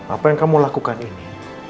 apa yang kamu lakukan ini